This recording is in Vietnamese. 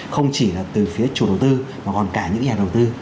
không chỉ là từ phía chủ đầu tư mà còn cả những nhà đầu tư